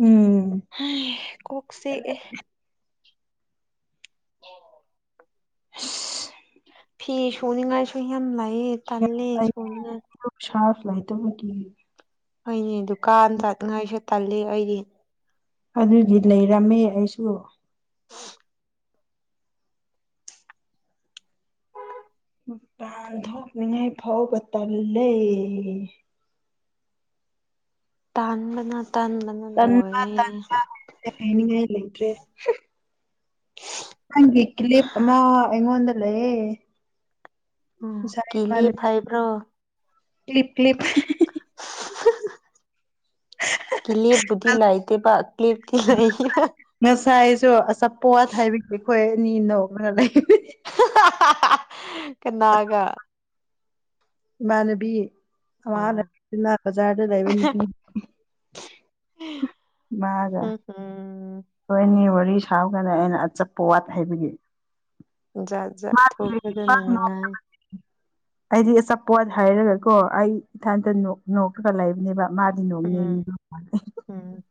ꯎꯝ ꯍꯥꯏ ꯀꯣꯛ ꯆꯤꯛꯑꯦ ꯑꯣ ꯑꯁ ꯐꯤ ꯁꯨꯅꯤꯡꯉꯥꯏꯁꯨ ꯌꯥꯝ ꯂꯩꯌꯦ ꯇꯜꯂꯦ ꯁꯨꯅꯤꯡꯉꯥꯏ ꯄꯩꯁꯥ ꯂꯩꯇꯕꯒꯤ ꯑꯩꯅꯦ ꯗꯨꯀꯥꯟ ꯆꯠꯅꯤꯡꯉꯥꯏꯁꯨꯦ ꯇꯜꯂꯤ ꯑꯩꯗꯤ ꯑꯗꯨꯗꯤ ꯂꯩꯔꯝꯃꯦ ꯑꯩꯁꯨ ꯃꯄꯥꯟꯊꯣꯛꯅꯤꯡꯉꯥꯏ ꯐꯥꯎꯕ ꯇꯜꯂꯦ ꯇꯥꯟꯕꯅ ꯇꯟꯕꯅ ꯇꯟꯕ ꯇꯟꯕ ꯍꯥꯏꯅꯤꯡꯉꯥꯏ ꯂꯩꯇ꯭ꯔꯦ ꯅꯪꯒꯤ ꯀꯂꯤꯞ ꯑꯃ ꯑꯩꯉꯣꯟꯗ ꯂꯩꯑꯦ ꯎꯝ ꯔ ꯀꯤꯂꯤꯞ ꯍꯥꯏꯕ꯭ꯔꯣ ꯀ꯭ꯂꯤꯞ ꯀ꯭ꯂꯤꯞ ꯍꯥ-ꯍꯥ-ꯍꯥ ꯀꯤꯂꯤꯞꯄꯨꯗꯤ ꯂꯩꯇꯦꯕ ꯀꯂꯤꯞꯇꯤ ꯂꯩ ꯉꯁꯥꯏꯁꯨ ꯑꯆꯥꯄꯣꯠ ꯍꯥꯏꯕꯒꯤ ꯑꯩꯈꯣꯏ ꯑꯅꯤ ꯅꯣꯛꯂꯒ ꯂꯩ ꯀꯅꯥꯒ ꯏꯃꯥꯟꯅꯕꯤ ꯑꯃ ꯑꯣ ꯅꯨꯄꯤꯗꯨꯅ ꯕꯖꯥꯔꯗ ꯂꯩꯕ ꯅꯨꯄꯤ ꯍꯝ ꯍꯝ ꯍꯣꯏꯅꯤ ꯋꯥꯔꯤ ꯁꯥꯕꯒꯥꯟꯅ ꯑꯩꯅ ꯑꯆꯞꯄ ꯋꯥꯠ ꯍꯥꯏꯕꯒꯤ꯫ ꯖꯥꯠ ꯖꯥꯠ ꯃꯥ ꯊꯣꯛꯄꯗꯅ ꯄꯥꯛ ꯅꯣꯛ ꯅꯨꯡꯉꯥꯏ꯫ ꯑꯩꯗꯤ ꯑꯆꯥꯄꯣꯠ ꯍꯥꯏꯔꯒꯀꯣ ꯑꯩ ꯏꯊꯟꯇ ꯅꯣꯛ ꯅꯣꯛꯒ ꯂꯩꯕꯅꯦꯕ꯫ ꯃꯥꯗꯤ ꯎꯝ ꯅꯣꯡꯅꯤꯡꯉ ꯃꯥ [unintelligible] ꯎꯝ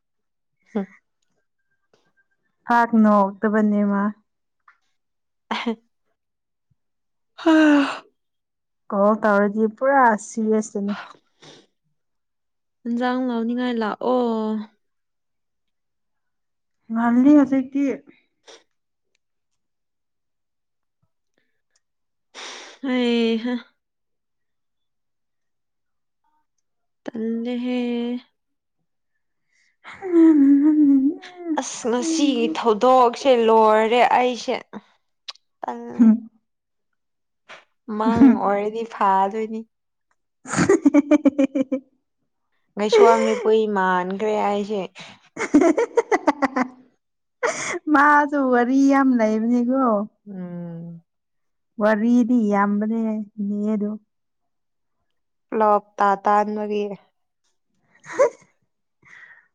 ꯄꯥꯛ ꯅꯣꯛꯇꯕꯅꯤ ꯃꯥ ꯎ [inaudible] ꯍꯥꯥ [inaudible] ꯀꯣ ꯇꯧꯔꯗꯤ ꯄꯨꯔꯥ ꯁꯤꯔꯤꯌꯥ꯭ꯁꯇꯅꯤ꯫ ꯏꯟꯖꯥꯡ ꯂꯧꯅꯤꯡꯉꯥꯏ ꯂꯥꯛꯑꯣ꯫ ꯉꯜꯅꯤ ꯍꯧꯖꯤꯛꯇꯤ꯫ ꯍꯩꯍꯥ꯫ ꯇꯜꯂꯦꯍꯦ꯫ ꯎꯝ [inaudible] ꯑꯁ! ꯉꯁꯤꯒꯤ ꯊꯧꯗꯣꯛꯁꯦ ꯂꯣꯏꯔꯦ ꯑꯩꯁꯦ___ ꯇꯜꯂꯦ꯫꯫ ꯃꯥꯡ ꯑꯣꯏꯔꯗꯤ ꯐꯥꯗꯣꯏꯅꯤ꯫ [inaudible] ꯉꯩꯁꯋꯥꯡꯅꯤꯄꯨꯏ ꯃꯥꯟꯈ꯭ꯔꯦ ꯑꯩꯏꯁꯦ꯫ [unintelligible] ꯃꯥꯁꯨ ꯋꯥꯔꯤ ꯌꯥꯝ ꯂꯩꯕꯅꯦꯀꯣ꯫ ꯎꯝ ꯋꯥꯔꯔꯤꯗꯤ ꯌꯥꯝꯕꯅꯦ ꯅꯔꯗꯨ꯫ ꯂꯣꯕ ꯇꯥ ꯇꯥꯟꯑꯣꯏꯕꯤ꯫ [inaudible]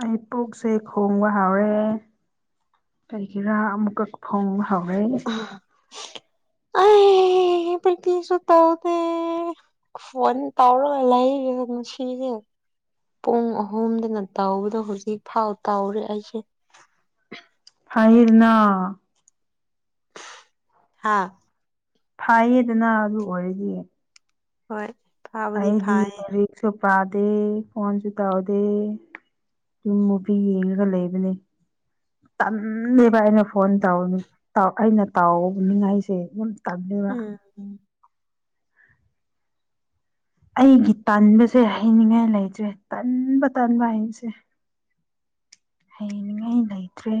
ꯑꯩ ꯄꯨꯛꯁꯦ ꯈꯣꯡꯕ ꯍꯥꯎꯔꯦ꯫ ꯀꯔꯤꯒꯤꯔꯥ ꯑꯃꯨꯛꯀꯛ ꯐꯣꯡ ꯍꯧꯥꯎꯋꯦ꯫ [unintelligible] ꯄ꯭ꯔꯤꯟꯇꯤꯁꯨ ꯇꯧꯗꯦ ꯫ ꯐꯣꯟ ꯇꯧꯔꯣꯒ ꯂꯩꯌꯦꯗ ꯉꯁꯤꯁꯦ꯫ ꯄꯨꯡ ꯑꯍꯨꯝꯗꯅ ꯇꯧꯕꯗꯣ ꯍꯧꯖꯤꯛ ꯐꯥꯎ ꯇꯧꯔꯦ ꯑꯩꯁꯦ꯫ ꯐꯍꯤꯔꯅꯥ꯫ ꯍꯥꯥ [inaudible] ꯐꯥꯏꯌꯦꯗꯅ ꯑꯗꯨ ꯑꯣꯏꯔꯗꯤ꯫ ꯍꯣꯏ ꯐꯥꯕꯨꯗꯤ ꯑꯩꯗꯤ ꯐꯥꯏꯌꯦ ꯔꯤꯛꯁꯣ ꯄꯥꯗꯦ ꯐꯣꯟꯁꯨ ꯇꯧꯎꯗꯦ꯫ ꯌꯨꯝ ꯃꯨꯕꯤ ꯌꯦꯡꯉꯒ ꯂꯩꯕꯅꯦ꯫ ꯇꯟꯂꯦꯕ ꯑꯩꯅ ꯐꯣꯟ ꯇꯧ ꯑꯩꯅ ꯇꯥꯎꯅꯤꯡꯉꯥꯏꯁꯦ ꯌꯥꯝ ꯇꯟꯂꯦꯕ꯫ ꯎꯝ [inaudible] ꯑꯩꯒꯤ ꯇꯟꯕꯁꯦ ꯍꯩꯅꯤꯡꯉꯥꯏ ꯂꯩꯇ꯭ꯔꯦ ꯇꯟꯕ ꯇꯟꯕ ꯍꯥꯏꯁꯦ꯫ ꯍꯩꯅꯤꯡꯉꯥꯏ ꯂꯩꯇ꯭ꯔꯦ꯫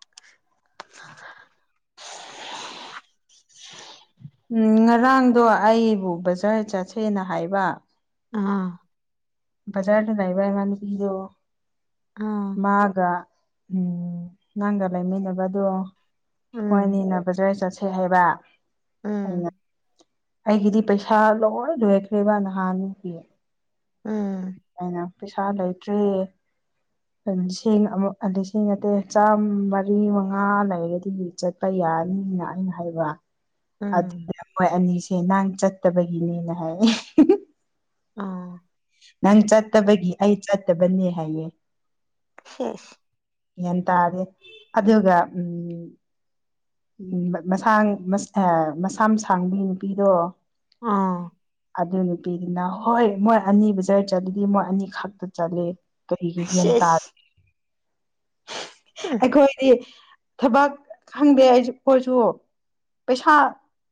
[inaudible] [unintelligible] ꯎꯝ ꯉꯔꯥꯡꯗꯣ ꯑꯩꯕꯨ ꯕꯖꯥꯔ ꯆꯠꯁꯦꯅ ꯍꯥꯏꯕ꯫ ꯑꯥ ꯕꯖꯥꯔꯗ ꯂꯩꯥꯏꯕꯅꯤ ꯄꯤꯗꯣ ꯑꯥ ꯃꯥꯒ ꯎꯝ ꯅꯪꯒ ꯂꯩꯃꯤꯟꯅꯕꯗꯣ꯫ ꯎꯝ ꯍꯣꯏꯅꯤꯅ ꯐꯖ꯭ꯥꯔ ꯆꯠꯁꯦ ꯍꯥꯏꯕ ꯎꯝ ꯑꯩꯅ__ ꯑꯩꯒꯤꯗꯤ ꯄꯩꯁꯥ ꯂꯣꯏ ꯂꯣꯏꯔꯈ꯭ꯔꯦꯕ ꯅꯍꯥꯟꯒꯤ ꯎꯝ ꯑꯩꯅ ꯄꯩꯁꯥ ꯂꯩꯇ꯭꯭ꯔꯦ꯫ ꯂꯤꯁꯤꯡ ꯑꯃ ꯂꯤꯁꯤꯡ ꯅꯠꯇꯦ ꯆꯥꯝꯃꯔꯤ ꯃꯉꯥ ꯂꯩꯔꯒꯗꯤ ꯆꯠ [unintelligible] ꯎꯝ ꯑꯗꯨꯅꯦ ꯃꯣꯏ ꯑꯅꯤꯁꯦ [unintelligible] ꯆꯠꯇꯕꯒꯤꯅꯦꯅ ꯍꯥꯏ ꯑ ꯅꯪ ꯆꯠꯇꯕꯒꯤ ꯑꯩ ꯆꯠꯇꯕꯅꯦ ꯍꯥꯏꯌꯦ ꯁꯦꯁ ꯒ꯭ꯌꯥꯟ ꯇꯥꯗꯦ ꯑꯗꯨꯒ ꯎꯝ ꯎ ꯃꯁꯥꯡ ꯃꯁꯥ ꯃꯁꯝ ꯁꯥꯡꯕꯕꯤ ꯅꯨꯄꯤꯗꯣ꯫ ꯑꯥ ꯑꯗꯨ ꯅꯨꯄꯤꯗꯨꯅ ꯍꯣꯏ ꯃꯣꯏ ꯑꯅꯤꯕꯨ [unintelligible] ꯆꯠꯂꯗꯤ ꯃꯣꯏ ꯑꯅꯤꯈꯛꯇ ꯆꯠꯂꯤ ꯀꯔꯤꯒꯤ ꯌꯦꯟ ꯇꯥ ꯁꯤꯁ ꯎꯝ ꯑꯩꯈꯣꯏꯗꯤ ꯊꯕꯛ ꯈꯪꯗꯦ ꯑꯩ ꯈꯣꯏꯁꯨ ꯄꯩꯁꯥ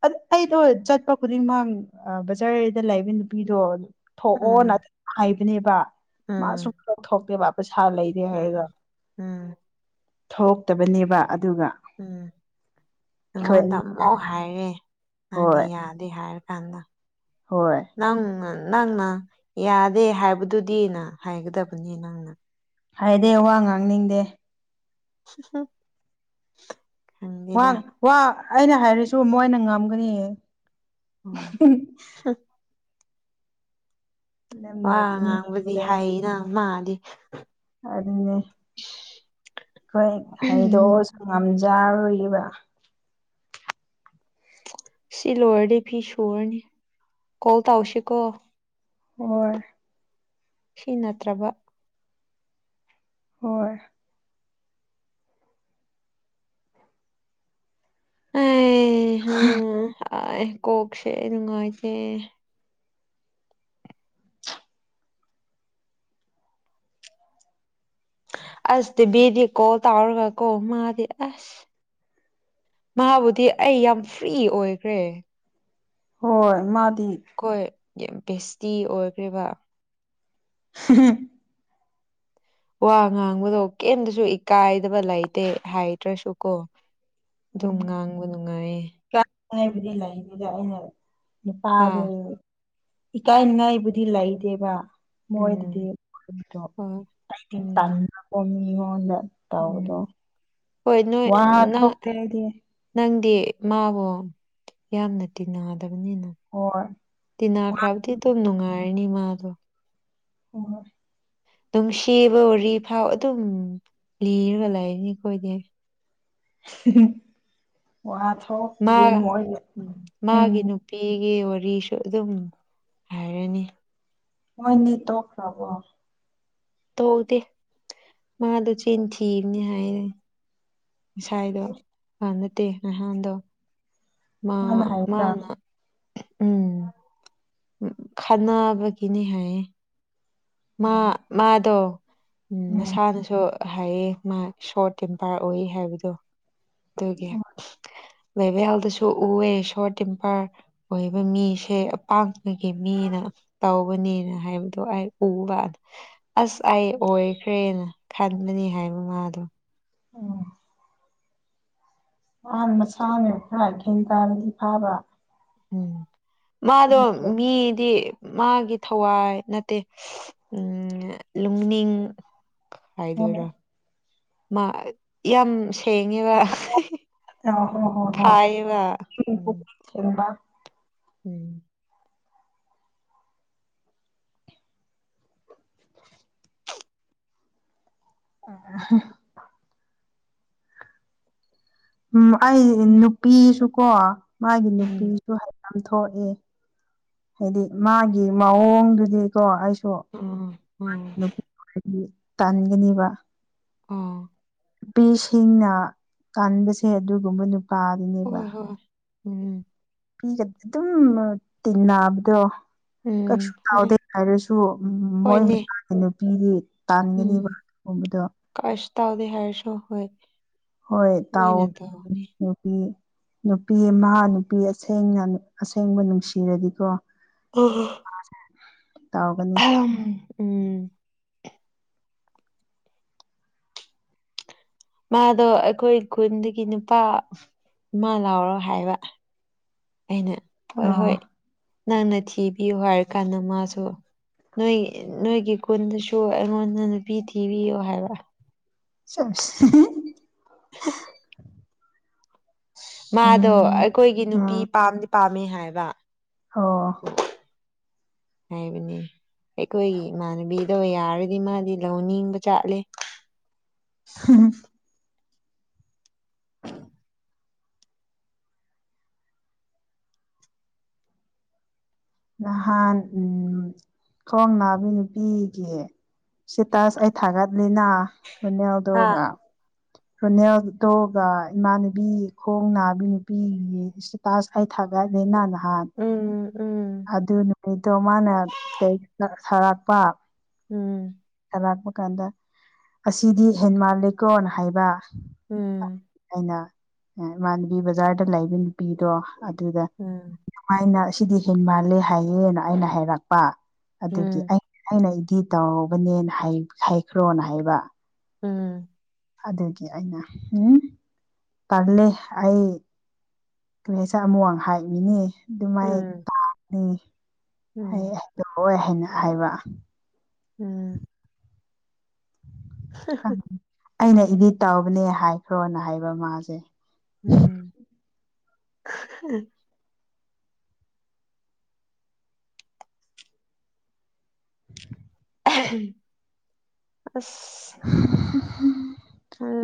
ꯑ ꯑꯩꯗꯣ ꯆꯠꯄ ꯈꯨꯗꯤꯡꯃꯛ ꯕꯖꯥꯔꯗ ꯂꯩꯕ ꯅꯨꯄꯤꯗꯣ ꯊꯣꯛꯑꯣꯅ ꯎꯝ ꯍꯥꯏꯕꯅꯦꯕ ꯃꯥ ꯁꯨꯊꯣꯛ ꯊꯣꯛꯇꯦꯕ ꯄꯩꯁꯥ ꯂꯩ ꯑꯝ ꯎꯝ ꯊꯣꯛꯇꯕꯅꯦꯕ ꯑꯗꯨꯒ ꯎꯝ ꯑꯩꯈꯣꯏ ꯅꯉꯣꯟꯗ ꯑꯃꯨꯛ ꯍꯥꯏꯔꯦ ꯍꯣꯏ [unintelligible] ꯌꯥꯗꯦ ꯍꯥꯏꯔ ꯀꯥꯟꯗ ꯍꯣꯏ ꯅꯪꯅ ꯅꯪꯅ ꯌꯥꯗꯦ ꯍꯥꯏꯕꯗꯨꯗꯤꯅ ꯍꯥꯏꯒꯗꯕꯅꯤ ꯅꯪꯅ ꯍꯥꯏꯔꯦ ꯋꯥ ꯉꯥꯡꯅꯤꯡꯗꯦ [unintelligible] ꯋꯥ ꯈꯪꯗꯦꯗ ꯋꯥ ꯑꯩꯅ ꯍꯥꯏꯔꯁꯨ ꯃꯣꯏꯅ ꯉꯝꯒꯅꯤꯌꯦ ꯑꯣ [unintelligible] ꯌꯥꯝ ꯋꯥ ꯉꯥꯡꯕꯗꯤ ꯅꯣꯛꯅꯤꯡꯕꯗ ꯍꯩꯅ ꯃꯥꯗꯤ ꯑꯗꯨꯅꯦ ꯑꯩꯈꯣꯏ ꯎꯝ ꯍꯩꯗꯣꯛꯑꯁꯨ ꯉꯝꯖꯔꯨꯏꯕ ꯁꯤ ꯂꯣꯏꯔꯗꯤ ꯐꯤ ꯁꯨꯔꯅꯤ ꯀꯣꯜ ꯇꯧꯁꯤꯀꯣ ꯍꯣꯏ ꯁꯤ ꯅꯠꯇ꯭ꯔꯕ ꯍꯣꯏ ꯑꯦ ꯍꯝ ꯑꯩ ꯀꯣꯛꯁꯦ ꯅꯨꯉꯥꯏꯇꯦ ꯑꯁ ꯇꯤꯕꯤꯗꯤ ꯀꯣꯜ ꯇꯧꯔꯒꯀꯣ ꯃꯥꯗꯤ ꯑꯁ ꯃꯥꯕꯨꯗꯤ ꯑꯩ ꯌꯥꯝ ꯐ꯭ꯔꯤ ꯑꯣꯏꯈ꯭ꯔꯦ ꯍꯣꯏ ꯃꯥꯗꯤ ꯑꯩꯈꯣꯏ ꯌꯥꯝ ꯕꯦꯁꯇꯤ ꯑꯣꯏꯈ꯭ꯔꯦꯕ ꯍꯨꯝꯍꯨꯝ ꯋꯥ ꯉꯥꯡꯕꯗꯣ ꯀꯩꯝꯗꯁꯨ ꯏꯀꯥꯏꯗꯕ ꯂꯩꯇꯦ ꯍꯥꯏꯗ꯭ꯔꯁꯨ ꯀꯣ ꯑꯗꯨꯝ ꯉꯥꯡꯕ ꯅꯨꯡꯉꯥꯏꯌꯦ ꯍꯥꯏꯕꯨꯗꯤ ꯂꯩꯗꯨꯗ ꯑꯩꯅ ꯍꯥ ꯅꯨꯄꯥꯗꯨ ꯏꯀꯥꯏ ꯅꯤꯡꯉꯥꯏ ꯕꯨꯗꯤ ꯂꯩꯗꯦꯕ ꯎꯝ ꯃꯣꯏꯗꯗꯤ [unintelligible] ꯍꯣꯏ ꯑꯩꯗꯤ ꯎꯝ ꯇꯟꯕꯀꯣ ꯃꯤꯉꯣꯟꯗ ꯎꯝ ꯇꯥꯎꯗꯣ ꯍꯣꯏ ꯅꯣꯏ ꯅꯪ ꯑꯩꯗꯤ ꯅꯪꯗꯤ ꯃꯥꯕꯨ ꯌꯥꯝꯅ ꯇꯤꯟꯅꯗꯕꯅꯤꯅ ꯑꯣꯏ ꯇꯤꯅꯈ꯭ꯔꯕꯨꯗꯤ ꯑꯗꯨꯝ ꯅꯨꯡꯉꯥꯏꯔꯅꯤ ꯃꯥꯗꯣ ꯍ ꯍꯣꯏ ꯅꯨꯡꯁꯤꯕ ꯋꯥꯔꯤ ꯐꯥꯎ ꯑꯗꯨꯝ ꯂꯤꯔꯒ ꯂꯩꯅꯤ ꯑꯩꯈꯣꯏꯗꯤ [unintelligible] ꯋꯥ ꯊꯣꯛꯇꯦ ꯃꯣꯏ ꯎꯝ ꯄꯤꯒꯤ ꯋꯥꯔꯤꯁꯨ ꯑꯗꯨꯝ ꯍꯥꯏꯔꯅꯤ ꯃꯣꯏꯅꯤ ꯇꯣꯛꯈ꯭ꯔꯕꯣ ꯇꯧꯗꯦ ꯃꯥꯗꯣ ꯆꯤꯟꯊꯤꯕꯅꯤ ꯍꯥꯏꯔꯦ ꯉꯁꯥꯏꯗꯣ ꯑꯥ ꯅꯠꯇꯦ ꯅꯍꯥꯟꯗꯣ ꯃꯥ ꯃꯥꯅ ꯍꯥꯏꯕ꯭ꯔꯥ ꯃꯥꯅ ꯎꯝ ꯈꯟꯅꯕꯒꯤꯅꯦ ꯍꯥꯏꯌꯦ ꯃꯥ ꯎꯝ ꯃꯥꯗꯣ ꯎꯝ ꯃꯁꯥꯗꯁꯨ ꯍꯥꯏꯌꯦ ꯃꯥ ꯁꯣꯔꯠ ꯇꯦꯝꯄꯥꯔ ꯑꯣꯏ ꯍꯥꯏꯕꯗꯣ ꯑꯗꯨꯒꯤ ꯚꯦꯚꯦ ꯍꯥꯎꯗꯁꯨ ꯎꯑꯦ ꯁꯣꯔ ꯇꯤꯝꯄꯔ ꯑꯣꯏꯕ ꯃꯤꯁꯦ ꯑꯄꯥꯥꯛꯄꯒꯤ ꯃꯤꯅ ꯇꯧꯕꯅꯦꯅ ꯍꯥꯏꯕꯗꯣ ꯑꯩ ꯎꯕꯥꯟ ꯑꯁ ꯑꯩ ꯑꯣꯏꯈ꯭ꯔꯦꯅ ꯈꯟꯕꯅꯦ ꯍꯥꯏ ꯃꯥꯗꯣ ꯎꯝ ꯃꯥ ꯃꯁꯥꯅ ꯈꯔ ꯒ꯭ꯌꯥꯟ ꯇꯥꯔꯗꯤ ꯐꯕ ꯎꯝ ꯃꯥꯗꯣ ꯃꯤꯗꯤ ꯃꯥꯒꯤ ꯊꯋꯥꯏ ꯅꯠꯇꯦ ꯎꯝ ꯂꯨꯡꯅꯤꯡ ꯍꯥꯏꯗꯣꯏꯔ ꯍꯣꯏ ꯃꯥ ꯌꯝ ꯁꯤꯡ ꯊꯦꯡꯉꯤꯕ ꯑ ꯍꯣ ꯐꯥꯏꯕ ꯎꯝ ꯁꯦꯡꯕ ꯎꯝ ꯑ ꯍ ꯎꯝ ꯑꯩ ꯅꯨꯄꯤꯁꯨ ꯀꯣ ꯃꯥꯒꯤ ꯎꯝ ꯅꯨꯄꯤꯁꯨ ꯍꯥꯏ ꯇꯝ ꯊꯣꯛꯑꯦ ꯍꯥꯏꯗꯤ ꯃꯥꯒꯤ ꯃꯑꯣꯡꯗꯨꯗꯤꯀꯣ ꯑꯩꯁꯨ ꯑꯎꯝꯍꯨꯝ ꯅꯨꯄꯤ ꯀꯣꯏꯔꯗꯤ ꯇꯟꯒꯅꯤꯕ ꯑꯥ ꯅꯨꯄꯤꯁꯤꯡꯅ ꯇꯟꯕꯁꯦ ꯑꯗꯨꯒꯨꯝꯕ ꯅꯨꯄꯥ ꯍꯣꯏ ꯍꯣꯏ ꯎꯝꯍꯨꯝ ꯄꯤꯒ ꯑꯗꯨꯝꯃ ꯇꯤꯟꯅꯕꯗꯣ ꯀꯩꯁꯨ ꯎꯝ ꯍꯣꯏ ꯇꯥꯎꯗꯦ ꯍꯥꯏꯔꯁꯨ ꯃꯣꯏ ꯍꯣꯏꯅꯦ ꯃꯆꯥꯒꯤ ꯅꯨꯄꯤꯗꯤ ꯇꯟꯒꯅꯤꯕ ꯎꯝ ꯍꯧꯕꯗꯣ ꯀꯩꯁꯨ ꯇꯧꯗꯦ ꯍꯥꯏꯔꯁꯨ ꯍꯨꯢ ꯍꯣꯏ ꯇꯥꯎꯑꯣ ꯅꯨꯄꯤ ꯅꯨꯄꯤ ꯑꯃꯍ ꯅꯨꯄꯤ ꯑꯁꯦꯡꯅ ꯑꯁꯦꯡꯕ ꯅꯨꯡꯁꯤꯔꯗꯤꯀꯣ ꯑꯣꯍꯥ ꯇꯧꯒꯟ ꯌꯝꯍ ꯎꯝꯍ ꯃꯥꯗꯣ ꯑꯩꯈꯣꯏ ꯈꯨꯟꯗꯒꯤ ꯅꯨꯄꯥ ꯑꯃꯥ ꯂꯧꯔꯣ ꯍꯥꯏꯕ ꯑꯩꯅ ꯍꯣꯏ ꯍꯣꯏ ꯑꯣ ꯅꯪꯅ ꯊꯤꯕꯤꯌꯨ ꯍꯥꯏꯔꯀꯥꯟꯗ ꯃꯥꯁꯨ ꯅꯣꯏ ꯅꯣꯏꯒꯤ ꯀꯨꯟꯗꯁꯨ ꯑꯩꯉꯣꯟꯗ ꯅꯨꯄꯤ ꯊꯤꯕꯤꯌꯣ ꯍꯥꯏꯕ ꯆꯦꯁ ꯍꯍ ꯍ ꯃꯥꯗꯣ ꯎꯝ ꯑꯩꯈꯣꯏꯒꯤ ꯅꯨꯄꯤ ꯄꯥꯝꯗꯤ ꯄꯥꯝꯃꯦ ꯍꯥꯏꯕ ꯍꯣ [inaudible] ꯍꯥꯏꯕꯅꯦ ꯑꯩꯈꯣꯏꯒꯤ ꯏꯃꯥꯟꯅꯕꯤꯗꯣ ꯌꯥꯔꯗꯤ ꯃꯥꯗꯤ ꯂꯧ ꯅꯤꯡꯕ ꯖꯥꯠꯂꯦ ꯍꯍꯝ ꯅꯍꯥꯟ ꯎꯝ ꯈꯣꯡ ꯅꯥꯕꯤ ꯅꯨꯄꯤꯒꯤ ꯁꯤꯇꯥꯁ ꯑꯩ ꯊꯥꯒꯠꯂꯤꯅ ꯍꯥ ꯍꯨꯅꯦꯜꯗꯨꯒꯥ ꯔꯨꯅꯦꯜꯇꯣꯒ ꯏꯃꯥꯟꯅꯕꯤ ꯈꯣꯡ ꯅꯥꯕꯤ ꯅꯨꯄꯤꯒꯦꯁꯨ ꯇꯥꯁ ꯑꯩ ꯊꯥꯒꯠꯂꯦꯅ ꯅꯍꯥꯟ ꯎꯝ ꯎꯝ ꯑꯗꯨ ꯅꯨꯃꯤꯠꯇꯣ ꯃꯥꯅ ꯇꯦꯛꯁꯇ ꯁꯥꯔꯛꯄ ꯎꯝ ꯂꯥꯛꯄ ꯀꯥꯟꯗ ꯑꯁꯤꯗꯤ ꯍꯦꯟꯃꯥꯟ ꯂꯦꯀꯣꯅ ꯍꯥꯏꯕ ꯎꯝ ꯑꯩꯅ ꯏꯃꯥꯟꯅꯕꯤ ꯕꯖꯥꯔꯗ ꯂꯩꯕ ꯅꯨꯄꯤꯗꯣ ꯑꯗꯨꯗ ꯎꯝ ꯃꯥꯏꯅ ꯁꯤꯗꯤ ꯍꯦꯟ ꯃꯥꯜꯂꯦ ꯍꯥꯏꯌꯦꯅ ꯑꯩꯅ ꯍꯥꯏꯔꯛꯄ ꯑꯗꯨꯒꯤ ꯎꯝ ꯑꯩ ꯑꯩꯅ ꯏꯗꯤ ꯇꯧꯔꯨꯕꯅꯦꯅ ꯍꯥꯏꯈ꯭ꯔꯣꯅ ꯍꯥꯏꯕ ꯎꯝ ꯑꯗꯨꯒꯤ ꯑꯩꯅ ꯎꯝ ꯄꯜꯂ ꯑꯩ ꯀꯩꯅꯁꯥꯛ ꯑꯃꯨ ꯋꯥꯡ ꯍꯥꯏꯃꯤꯅꯦ ꯑꯗꯨꯃꯥꯏꯅ ꯎꯝ ꯇꯅꯤ ꯑꯩ ꯇꯧꯑꯣꯏ ꯍꯥꯏꯅ ꯍꯥꯏꯕ ꯎꯝ ꯑꯩꯅ ꯏꯗꯤꯠ ꯇꯕꯅꯦ ꯍꯥꯏꯈ꯭ꯔꯣꯅ ꯍꯥꯏꯕ ꯃꯥꯁꯦ ꯎꯝ ꯎ [inaudible] ꯑꯁ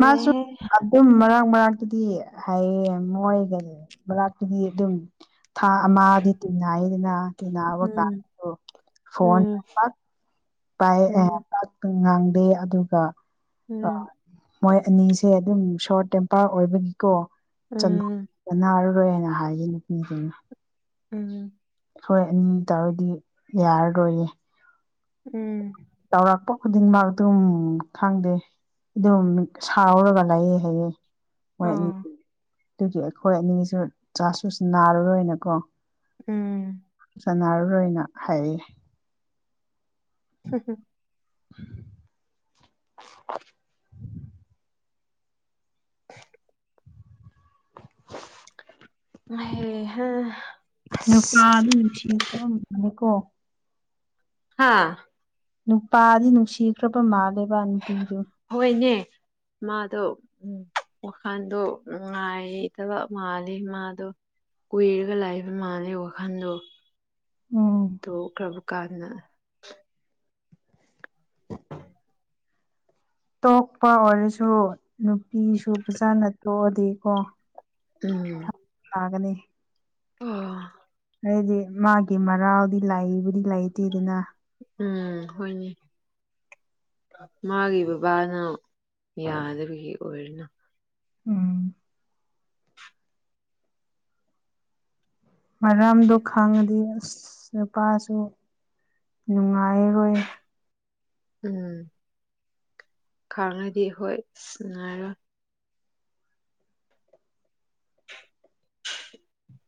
ꯃꯥꯁꯨ ꯎꯝ ꯃꯔꯛ ꯃꯔꯥꯛꯛꯇꯨꯗꯤ ꯍꯥꯏꯌꯦꯡ ꯃꯣꯏꯒ ꯃꯔꯥꯛꯛꯇꯨꯗꯤ ꯑꯗꯨꯝ ꯊꯥ ꯑꯃꯗꯤ ꯇꯤꯟꯅꯏꯗꯅ ꯇꯤꯟꯅꯑꯕ ꯎꯝ ꯀꯥꯟꯗ ꯐꯣꯟ ꯎꯝ ꯄꯥꯛ ꯄꯥꯏ ꯎꯝ ꯉꯥꯡꯗꯦ ꯑꯗꯨꯒ ꯎꯝ ꯃꯣꯏ ꯑꯅꯤꯁꯦ ꯑꯗꯨꯝ ꯁꯣꯔꯠ ꯇꯦꯝꯄꯥꯔ ꯑꯣꯏꯕꯒꯤꯀꯣ ꯎꯝ ꯅꯥꯔꯔꯣꯏꯅ ꯍꯥꯏꯁ ꯅꯨꯄꯤꯁꯤꯅ ꯎꯝꯝ ꯍꯣꯏ ꯑꯅꯤ ꯇꯥꯔꯗꯤ ꯌꯥꯔꯔꯣꯏꯌꯦ ꯎꯝ ꯆꯥꯎꯧꯔꯛꯄ ꯈꯨꯗꯤꯡꯃꯛ ꯑꯗꯨꯝ ꯈꯪꯗꯦ ꯑꯗꯨꯝ ꯁꯥꯎꯔꯒ ꯂꯑꯦ ꯍꯥꯏꯑꯦ ꯃꯣꯏ ꯑ ꯑꯅꯤ ꯑꯗꯨꯒꯤ ꯑꯩꯈꯣꯏ ꯑꯅꯤꯁꯨ ꯆꯥ ꯆꯁ ꯅꯥꯔꯨꯔꯣꯏꯅꯀꯣ ꯎꯝ ꯁꯥꯟꯅꯔꯔꯣꯏꯅ ꯍꯥꯏꯔꯛ ꯍ ꯍ ꯎ ꯍꯄꯥ ꯑꯗꯨꯅꯤꯀꯣ ꯍꯥꯥ ꯅꯨꯄꯥꯗꯤ ꯅꯨꯡꯁꯤꯈ꯭ꯔꯕ ꯃꯥꯜꯂꯦꯕ ꯅꯨꯄꯤꯗꯨ ꯍꯣꯏꯅꯦ ꯃꯥꯗꯣ ꯎꯝ ꯋꯥꯈꯜꯗꯣ ꯉꯉꯥꯏꯇꯕ ꯃꯥꯜꯂꯤꯦ ꯃꯥꯗꯣ ꯀꯨꯏꯔꯒ ꯂꯥꯛꯏꯕ ꯃꯥꯅꯩ ꯋꯥꯈꯜꯗꯣ ꯎꯝ ꯇꯣꯛꯈ꯭ꯔꯕ ꯀꯥꯟꯗ ꯇꯣꯛꯄ ꯑꯣꯏꯔꯁꯨ ꯅꯨꯄꯤꯁꯨ ꯐꯖꯥꯅ ꯇꯣꯛꯑꯗꯤꯀꯣ ꯎꯝ ꯃꯥꯒꯅꯤ ꯑꯣ ꯍꯥꯏꯗꯤ ꯃꯥꯒꯤ ꯃꯔꯥꯎꯗꯤ ꯂꯕꯨꯗꯤ ꯂꯩꯇꯦꯗꯅ ꯎꯝ ꯍꯣꯏꯅꯦ ꯃꯥꯒꯤ ꯕꯕꯥꯅ ꯌꯥꯗꯕꯒꯤ ꯑꯣꯏꯔꯤꯅ ꯎꯝ ꯃꯔꯝꯗꯣ ꯈꯪꯉꯗꯤ ꯑꯁ ꯅꯨꯄꯥꯁꯨ ꯅꯨꯡꯉꯥꯏꯔꯣꯏ ꯎꯝ ꯈꯥꯡꯅꯗꯤ ꯍꯣꯏ ꯉꯉꯥꯏꯔꯣꯏ [inaudible]